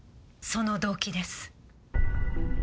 その動機です。